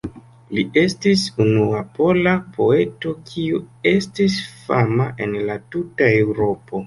Li estis unua pola poeto kiu estis fama en la tuta Eŭropo.